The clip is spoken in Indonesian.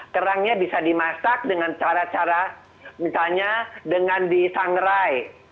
kerangnya bisa dimasak dengan cara cara misalnya dengan disangrai